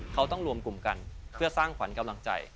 เขาต้องรวมกลุ่มกันเพื่อสร้างขวัญกำลังใจ